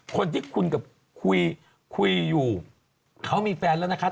คนที่คุณกับคุยคุยอยู่เขามีแฟนแล้วนะคะ